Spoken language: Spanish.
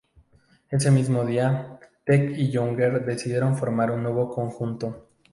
Ese mismo día, Tek y Younger decidieron formar un nuevo conjunto.